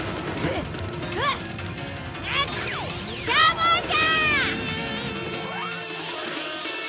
消防車！